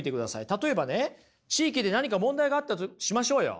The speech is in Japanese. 例えばね地域で何か問題があったとしましょうよ。